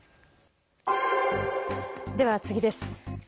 では次です。